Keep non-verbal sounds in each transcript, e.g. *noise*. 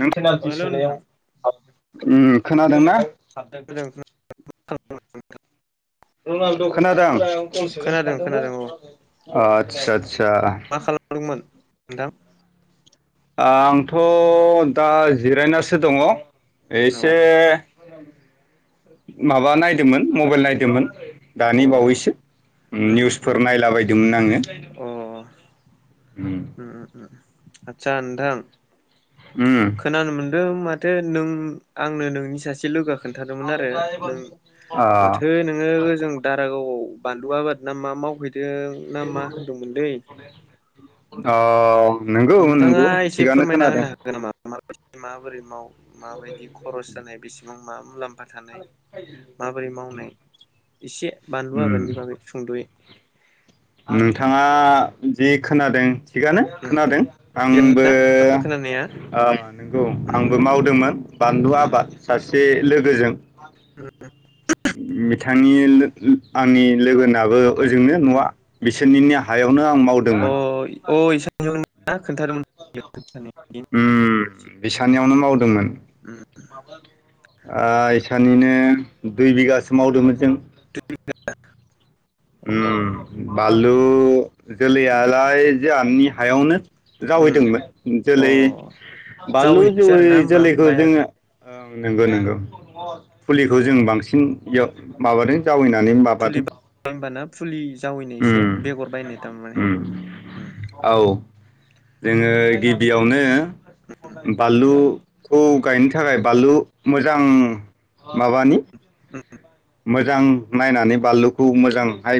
नों अ पेनाल्टि हेल' सोनायाव नोंथां ओं खोनादोंना? मोजां *unintelligible* *unintelligible* *unintelligible* खोनादों खोनादों खोनादों औ ओ *unintelligible* मा खालामदोंमोन नोंथां? आंथ' दा जिरायनासो दङ। अ एसे माबा नायदोंमोन मबाइल नायदोंमोन ‌ अ दानि बावैसो उम उम उम निउसफोर उम नायलाबायदोंमोन आङो अ उम आदसा नोंथां उम खोनानो मोन दों माथो नों आंनो नोंनि सासे लोगोया खोन्थादोंमोन आरो नों अ माथो नोङो ओजों दारागावाव बानलु आबाद ना मा मावहै *unintelligible* औ नंगौ नोंथाङा नंगौ एसे थिगानो फोरमायना खोनादों होनो हागोन नामा माबोरै मावो माबायदि खरस जानाय बेसेबां मा मुलाम फा थानाय माबोरै मावनाय एसे बानलु उम आबादनि बागै सुंद'यै। नोंथाङा जि खोनादों थिगानो उम खोनादों थिगानो आंबो ना आं खोनानाया ओ नंगौ उम आंबो उम मावदोंमोन बानलु उम आबाद सासे लोगोजों उम उम बिथांनि लो-लो आंनि लोगोनाबो ओजोंनो उम नवा बिसो सोरनिनो हायाव अ असानोमोन ना खोन्थादोंमोन *unintelligible* सानियावनो मावदोंमोन उम ओ इसानिनो दुइ बिगासो मावदोंमोन जों उम अ ओम बाल औ जोलैयालाय जाहानि हायावनो उम जावहैदोंमोन अ जोलै बानलु जावैनायसो जौैयै आरोना होमबा जोलैखौ बायाखै जोङो नंगौ नोंगौ फुलिखौ जों बांसिन बियाव माबादों जावैनानै माबादों फुलिस जावैनायसो उम बेगर बायनाय दां उम माने औ जोङो गिबियावनो बालु खौ गायनो थाखाय बानलु मोजां माबानि उ मोजां नायनानै बानलुखौ मोजांहाय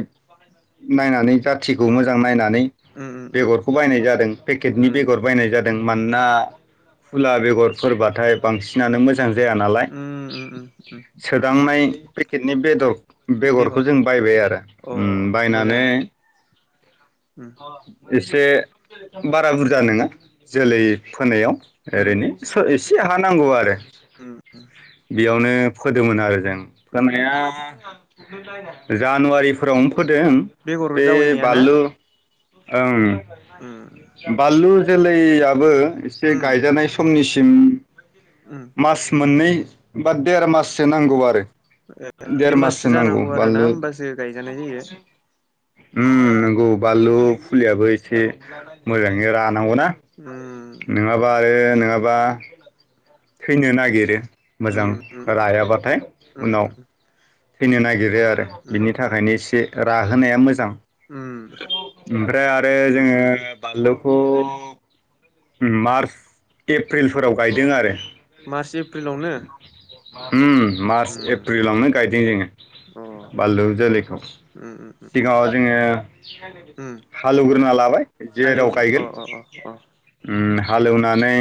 नायनानै जाथिखौ उम मोजां नायनानै उम बेगरखौ बायनाय जादों पेकेटनि उम बेगर बायनाय जादों मानोना फुला बेगरफोरबाथाय बांसिनानो मोजां मोजां जाया नालाय उम उम उम उम सोदांनाय पेखेदनि बेद बेगर बेगरखौ जों बायबाय आरो अ ओम बायनानै मोजाङानो उम एसे बारा बुरजा नङा जोलै फोनायाव उम ओरैनि स एसे हा नांगौ आरो *inaudible* नो फोदोंमोन आरो जों उम जानाया उम जानुवारिफोरावनो फोदों बेगर बे जावैनाया ना बानलु उम ओं बाललुर जोलैयाबो एसे उम गायजानाय समनि सि उम *unintelligible* मास मोननै बा देर माससो नांगौ आरो देर माससो देमाससो नांगौ जानांगौ आरो बानलु ना होमबासो गायजानाय जायो उम नंगौ बानलु फुलियाबो एसे मोजाङै रा नांगौ उम नङाबा आरो नङाबा थैनो नागिरो उम मोजां उम रायाबाथाय उम उनाव थैनो नागिरो बो आरो उम बिनि थाखायनो एसे राहोनाया मोजां उम ओमफ्राय आरो उम जोङो उम बानलुखौ मार्च एप्रिलफोराव गायदों आरो मार्स ए प्रिलावनो उम मार्च एप्रिलावनो गायदों जोङो अ उम बानलु जोलैखौ उम उम उम सिगाङाव जोङो उम हालौग्रोना लाबाय जेराव हालेवनो गायगोन अ अ अ अ उम हालेवनानै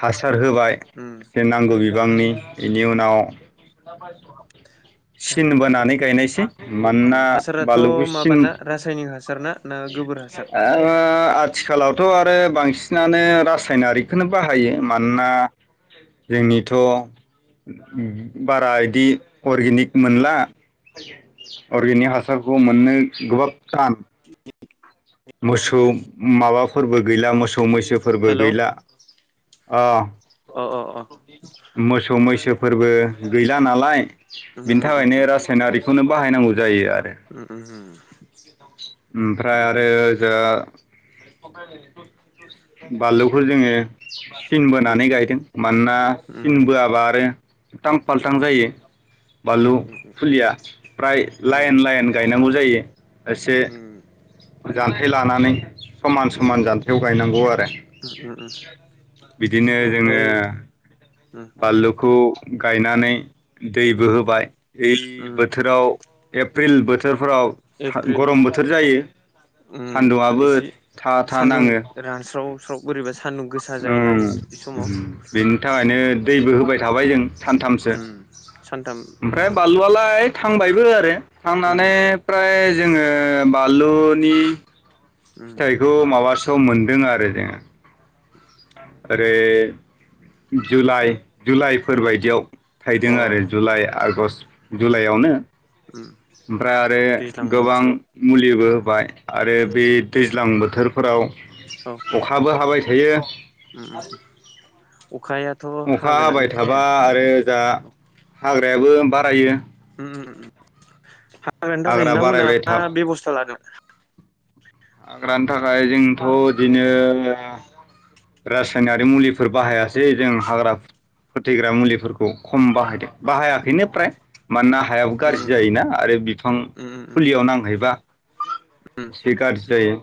हा सार होबाय उम एसे नांगौ बिबांनि उम इनि उम उनाव *unintelligible* सिन बोनानै गायनायसै मानोना हासाराथ' बानलुखौ सिन माबाना रासायनिक हासार ना ना गोबोर हासार ओ आथिखालावथ' रो बांसिनानो रासायनारिकखौनो बाहायो मानोना जोंनिथ' बारा इदि अर्गेनिक मोनला अर्गेनिक हासारखौ मोननो गोब्राब टान मोसौ माबा फोरबो गैला मोसौ मैसो फोरबो हेलौ गैला अ अ अ अ फोरबो गैला नालाय उम उम बिनि उम थाखायनो रासायनारि इखौनो बाहायनांगौ जायो आरो उम उम उम *unintelligible* ओमफ्राय उम आरो जा बालुखौ जोंङो सिन बोनानै गायदों मानोना उम सिन बोआबा आरो उलतां पाल्तां जायो उम बानलु उम उम फुलिया प्राय उम लाइन लाइन गायनांगौ जायो एसे जान्थाइ लानानै समान उम समान जान्थायाव गायनांगौ आरो उम उम बिदिनो जोङो ओमफ्राय उम बालुखौ गाय नानै दैबो उम होबाय *unintelligible* उम बोथोराव एप्रिल बोथोरफोराव था एप्रिल गरम बोथोर जायो उम सान्दुंआबो एसे था था सान्दुं नाङो रानस्राव स्राव बोरैबा सान्दुं गोसा जायोना ओं इ समाव ओम बाय जों सानथामसो उम ओमफ्राय बानलु आलाय थांबायबो आरो। उम थांनानै प्राय जोङो बालुनि उम फिथाइखौ माबास खौ मोनदों आरो जोङो *inaudible* ओरोय जुलाइ उम जुलाइफोर जुलाइ बायदियाव थायदों आरो अ जुलाइ आग'स जुलाइ आवनो उम ओमफ्राय आरो दैज्लां गोबां बोथोराव मुलिबो बाय आरो उम बे दैज्लां बो बोथोरफोराव औ अखाबो हाबाय *unintelligible* उम उम अखायाथ' अखा हागोनानो हाबाय दे थाबा नोंथां आरो दा औ हाग्राया बो बारायो उम हा हाग्रानि थाखाय हाग्रा नोंथांमोना बारायबाय था मा बेबस्था लादों हाग्रानि थाखाय जोंथ' इदिनो रासायनारि मुलिफोर बाहायासै जों हाग्रा फोथैग्रा मुलिफोरखौ खम बाहायदों। बाहायाखैनो औ फ्राय मानोना हायाबो उम गाज्रि उम उम जायोना आरो बिफां उम फुलियाव नांहैबा उम उम इसे गाज्रि जायो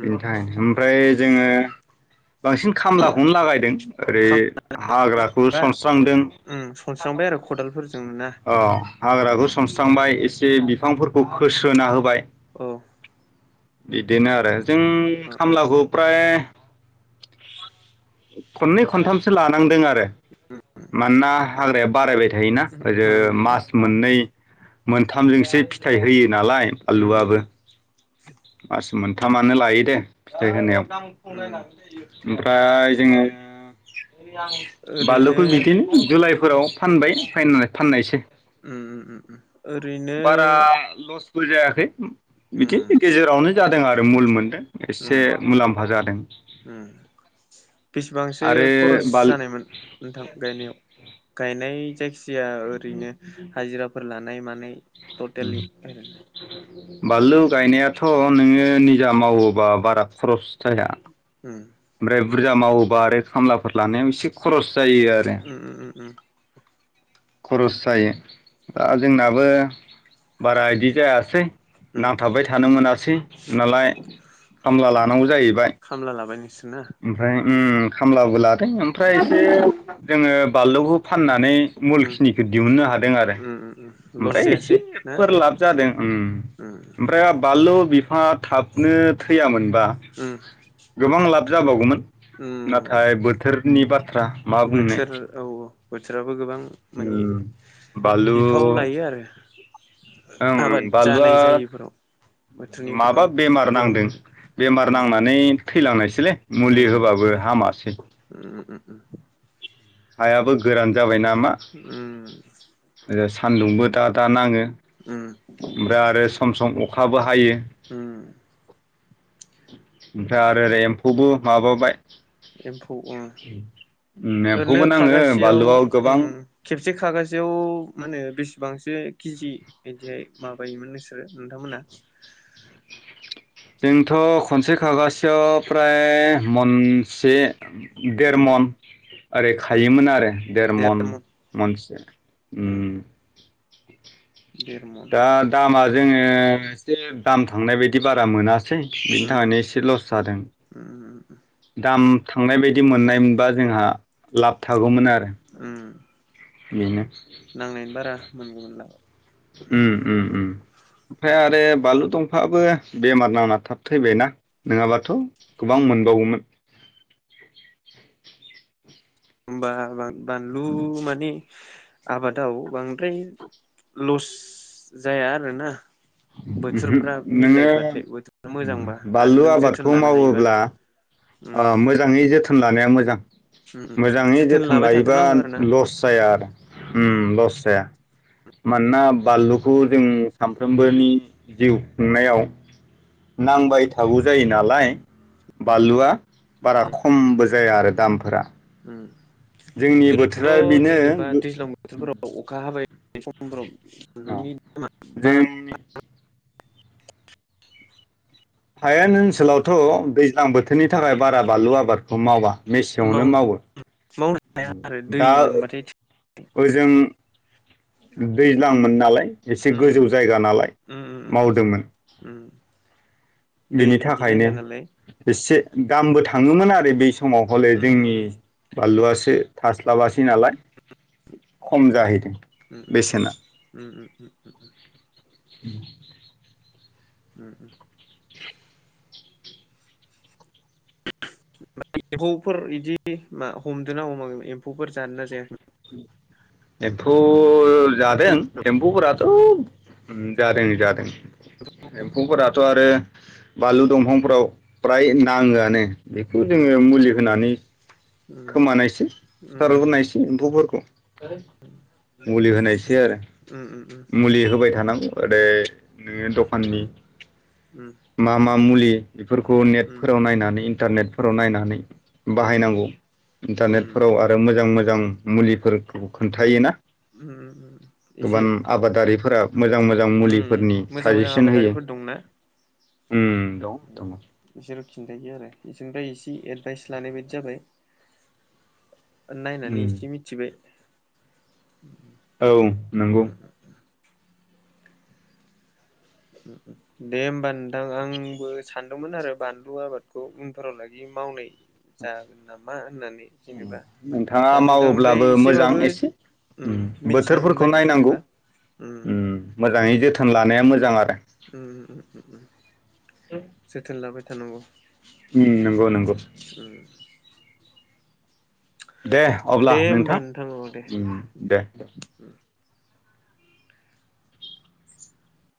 उम बेनि थाखायनो ओमफ्राय जोंङो बांसिन खामलाखौनो लागायदों ओरै खामबा हाग्राखौ समस्रांदों उम सनस्रांबाय आरो खदालफोरजों ना अ हाग्राखौ सनस्रांबा इसे जे बिफांफोरखौ खोस्रोना होबाय। औ बिदिनो आरो जों उम उम खामलाखौ फ्राय खननै खनथामसो लानांदों आरो मानोना हाग्राया बारायबाय थायोना ओजो उम उम मास मोननै मोनथामजोंसो फिथाइ होयो नालाय उम उम आलुवाबो। उम मास मोनथामानो लायो दे फिथाइ होनायाव। गाबोन फुंङाव नायनो उम हागोनदे इयो। फ्राय जोंङो ओरैनो बानलुखौ बिदिनो जुलाइ फोराव फानबाय फायना फाननायसै। उम उम उम ओरैनो बो जायाखै उम। बो जादों आरो मुल मोनदों। एसे उम मुलाम्फा जादों। सिबांसो आरो खर'स जानायमोन नोंथां गायनायाव? गायनाय जायखि जाया ओरैनो हाजिराफोर लानाय मा नाय ट'टेलि *unintelligible* बालु गायनायाथ' नोङो निजा मावोबा बारा खर'स थाया। उम ओमफ्राय बुरजा मावोबा आरो खामलाफोर लानायाव एसे खर'स जायो आरो उम उम उम उम। खर'स जायो। दा जोंनाबो बारा इदि जाया सै, उम नांथाबबाय थानो मोनासै नालाय खामला उम लानांगौ जाहैबाय खामला लाबाय नोंसोरना ओमफ्राय उम। खामलाबो लाद दों उम ओमफ्राय एसे जोङो बालौखौ फाननानै उम मुलखिनिखो दिहुननो हादों आरो उम उम उम लस ओमफ्राय जायासै ना एसेफोर लाब जादों ओम उम ओमफ्राय आबा लौ बिफाङा थाबनो थैयामोन बा उम गोबां लाब जाबावगोमोन। उम नाथाय बोथोर नि बा थ्रा मा बुंनो। बोथोराव बो गोबां माने उम बिफाव लायो आरो। ओंं ओं आबाद बालुआ जानाय जायैफोराव बोथोरनि गोबां माबा बेमार गोहोम नांदों गोलैयो बेमार उम नांनानै थैलांनायसि लाय उम मुलि होबाबो हामासै उम उम हायाबो गोरान जाबाय ना ओ-ओम सानदुंबो दा दा नाङो ओमब्रा आरो सम सम अख खाबो हायो *inaudible* उम *inaudible* ओमफ्राय आरो रेम्फौबो माबोबाय एम्फौ अह ओरैनो एम्फौबो नाङो खागासेयाव बानलुआव ओम गोबां ओम खेबसे खागासेयाव मा होनो बिसे बांसिनै की जी बिदिहाय माबायोमोन नोंसोरो नोंथांमोना जोंथ' खनसे खागासेयाव प्राय मन से उम देरमन ओरै उम खायोमोन आरो देरमन मनसे उम ओम देरमन दा दामारो जोङो एसे दाम थांनाय बायदिबा दा मोनास बेनि उम थाखायनो इसे लस जादों उम दाम थांनाय बायदि मोननाय मोनबा जोंहा लाब थागौमोन आरो ओम बेनो नांनायनि बारा मोनगौमोनदां ओम‌ ओम ओम ओमफ्राय आरो बानलु दंफाबो बेमार नांना थाब थैबायना नोङाबाथ' गोबां मोनबावगोमोन होमबा बा बानलु मानिे आबादाव बां ओमफ्राय लस जाया आरोना ओहो बोथोरफ्रा नोङो मिलायबाथाय बोथोरा मोजांबा आरो बानलु नों जोथोन आबादखौ लानो हायोबा मावोब्ला उम ओ मोजाङै जोथोन थोन लानाया मोजां उम मोजाङै जोथोन लाबाय लायोबा थाथारनांगौ आरो ना लस जाया आरो उम होम लस जाया मानोना बानलुखौ जों सानफ्रोमबोनि जिउ खुंनायाव नांबाय थागौ जायो नालाय बानलुवा बारा खमबो जाया आरो दामफोरा उम जोंनि बोथोरा ओरैनोथ' बेनो जेनेबा दैज्लां बोथोरफोराव अखा हाबाय बे समब्रोम अ *unintelligible* *inaudible* हायेन ओन्सोलाव थ' दैज्लां बोथोरनि थाखाय बारा बानलु आबादखौ मावा मेसेंआवनो मावनो मावो हाया आरो दै दा लोमबाथाय ओजों दैज्लांमोन नालाय एसे उम गोजौ जायगा नालाय उम उम मावदोंमोन उम दै बिनि लोमि थाखायनो जायगा नालाय एसे दामबो थाङोमोन आरो बै समाव हले जोंनि उम बानलुआसो। थास्लाबासै नालाय खम जाहैदों। बेसेना *unintelligible* उ उ उ एम्फौफोर बिदि मा हमद ना हमाखोन एम्फौफोर जानो ना जायाखैमोन? *unintelligible* *unintelligible* जादों एम्फौफोरा *unintelligible* जादों जादों एम्फौ फोरा थ' आरो बानलु दंफांफोराव फ्राय नाङोआनो। बेखौ उम जोङो मुलि होनानै। उम खोमानायसै उम सचथार ग्रोनायसै एम्फौ फोरखौ मुलि होनायस एसे आरो उम उम उम मुलि होबाय थानांगौ। आरो नोङो दखाननि उम मा मा मुलि? बेफोरखौ उम नेटफोराव नायनानै इन्टारनेटफोराव नायनानै उम बाहायनांगौ उम इन्टारनेटफोराव आरो मोजां मो जों मुलिफोरखौ खोन्थायोना। उम गोबां एसे *inaudible* मोजां मोजां उम उम मुलिफोरनि मोजां साजेसन होयो। उम दं दङ बिसोर' खिन्थायो आरो इसेनिफ्राय एसे। जि एदभाइस लानाय बाददि जाबाय। नायनानै उम एसे मिथिबाय। औ नोंगौ। दे होमबा नोंथां आंबो सानदोंमोन आरो बानलु आबादखौ उनफोरावलागि मावनाय जागोन नामा होननानै जेनेबा नोंथाङा दा नोंथांनिफ्राय मावोब्लाबो मोजां एसेबाबो एसे उम मिथिना बोथोरफोरखौ मोनबाय नायनांगौ जेनेबा उम मोजाङै जोथोन लानाया मोजां। जां आरो उम उम जोथोन लाबाय। थानांगौ। उम नोंगौ नोंगौ। उम दे होमबा नोंथां ओ दे दे।